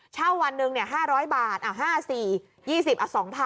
เช่าวันหนึ่ง๕๐๐บาทอ่ะ๕๔